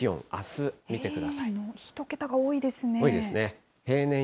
１桁が多いですね。